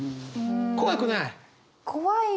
怖くない？